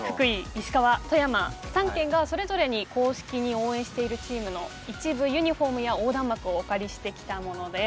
石川富山３県がそれぞれに公式に応援しているチームの一部ユニフォームや横断幕をお借りしてきたものです。